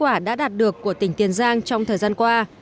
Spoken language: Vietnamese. kết quả đã đạt được của tỉnh tiền giang trong thời gian qua